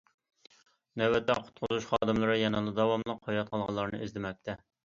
نۆۋەتتە، قۇتقۇزۇش خادىملىرى يەنىلا داۋاملىق ھايات قالغانلارنى ئىزدىمەكتە.